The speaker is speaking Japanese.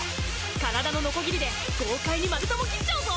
体のノコギリで豪快に丸太も切っちゃうぞ！